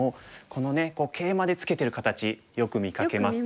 このねケイマでツケてる形よく見かけます。